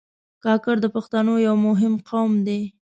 کاکړ د پښتنو یو مهم قوم دی.